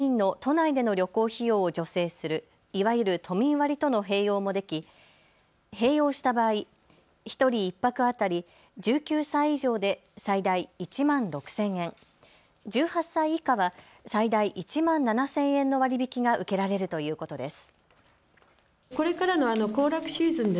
すでに都が行っている都民の都内での旅行費用を助成するいわゆる都民割との併用もでき、併用した場合、１人１泊当たり１９歳以上で最大１万６０００円、１８歳以下は最大１万７０００円の割り引きが受けられるということです。